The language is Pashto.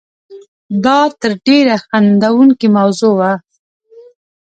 دا تر ډېره خندوونکې موضوع وه.